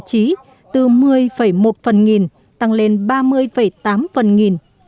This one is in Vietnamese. chí từ một mươi một phần nghìn tăng lên ba mươi tám phần nghìn